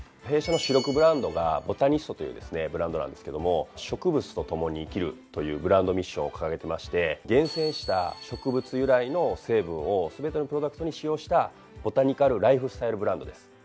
弊社の主力ブランドが「ＢＯＴＡＮＩＳＴ」というですねブランドなんですけども「植物と共に生きる」というブランドミッションを掲げてまして厳選した植物由来の成分を全てのプロダクトに使用したボタニカルライフスタイルブランドです。